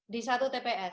di satu tps